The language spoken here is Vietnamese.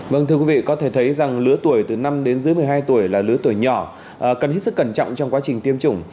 vâng thưa quý vị có thể thấy rằng lứa tuổi từ năm đến dưới một mươi hai tuổi là lứa tuổi nhỏ cần hết sức cẩn trọng trong quá trình tiêm chủng